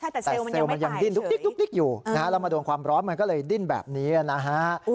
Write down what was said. แต่เซลล์มันยังดิ้นดุ๊กดิ๊กอยู่แล้วมาโดนความร้อนมันก็เลยดิ้นแบบนี้นะฮะ